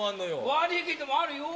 悪いけどもあるよ。